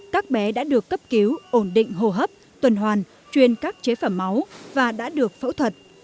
các bé đã được cấp cứu ổn định hô hấp tuần hoàn truyền các chế phẩm máu và đã được phẫu thuật